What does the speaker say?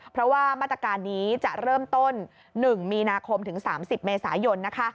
เพราะว่ามาตรการนี้จะเริ่มต้น๑มีนาคมถึง๓๐เมษายน